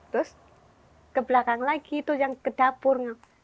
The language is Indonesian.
terus ke belakang lagi itu yang ke dapur